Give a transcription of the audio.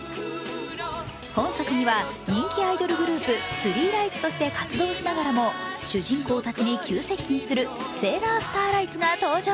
本作には、人気アイドルグループスリーライツとして活動しながらも主人公たちに急接近するセーラースターライツが登場。